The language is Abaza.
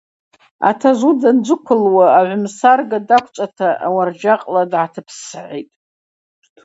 Атажв-уыд данджвыквылу, агӏвымсарга даквчӏвата ауарджьакъла дгӏатыпссгӏитӏ.